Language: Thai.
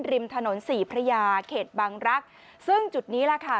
ริมถนนสี่พระยาเขตบังรักษ์ซึ่งจุดนี้แหละค่ะ